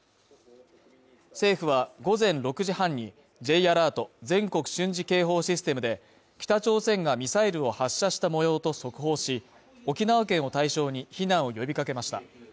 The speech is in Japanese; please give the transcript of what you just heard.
政府は、午前６時半にＪアラート＝全国瞬時警報システムで、北朝鮮がミサイルを発射した模様と速報し、沖縄県を対象に避難を呼びかけました。